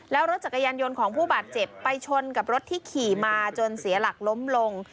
แล้วรถจักรยานยนต์ของผู้บาดเจ็บไปชนกับรถที่ขี่มาจนเสียหลักล้มลง